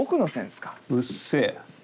うっせえ。